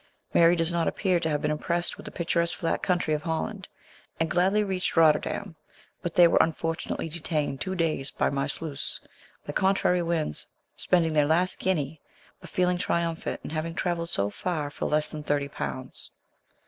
Mary does not appear to have been impressed with the picturesque flat country of Holland, and gladly reached Rotterdam ; but they were unfortunately detained two days at Marsluys by contrary winds, spending their last guinea, but feeling triumphant in having travelled so far for less than thirty pounds.